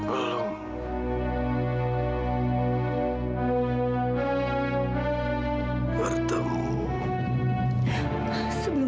kamu ketemu siapa